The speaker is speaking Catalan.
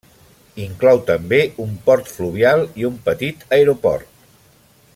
Inclou també un port fluvial i un petit aeroport.